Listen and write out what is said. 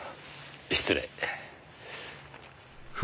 失礼。